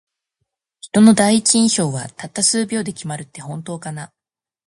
人の第一印象は、たった数秒で決まるって本当かな。